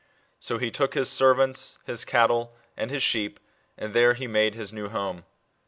So he took his servants, his cattle, and his sheep, and there he made his new home.